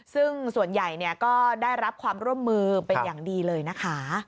ซึ่งส่วนใหญ่ก็ได้รับความร่วมมือเป็นอย่างดีเลยนะคะ